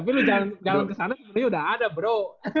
tapi lu jalan kesana kebetulan lu udah ada bro